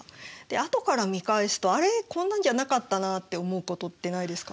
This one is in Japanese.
あとから見返すとあれこんなんじゃなかったなって思うことってないですか？